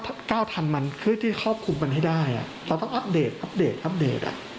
ถ้าเกล้าทันมันที่ควบคุมให้ได้เราต้องอัปเดตอัปเดตอัปเดต